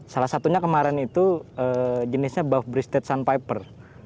salah satunya kemarin itu jenisnya buff breasted sunpiper